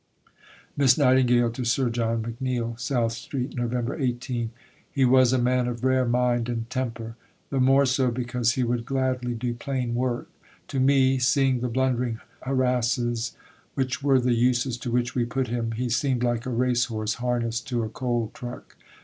(Miss Nightingale to Sir John McNeill.) SOUTH STREET, Nov. 18.... He was a man of rare mind and temper. The more so because he would gladly do "plain work." To me, seeing the blundering harasses which were the uses to which we put him, he seemed like a race horse harnessed to a coal truck.